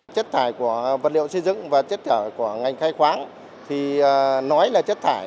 chất thải của vật liệu xây dựng và chất thải của ngành khai khoáng thì nói là chất thải